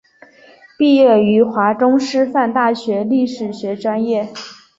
毕业于华中师范大学历史学专业。